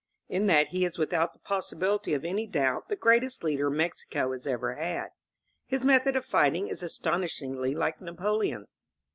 In that he is without the possibility of any doubt the greatest leader Mexico has ever had. His method of fighting is astonishingly like Napoleon's.